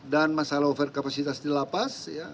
dan masalah over kapasitas dilapas